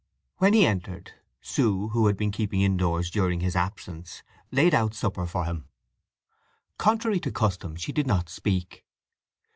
When he entered, Sue, who had been keeping indoors during his absence, laid out supper for him. Contrary to custom she did not speak.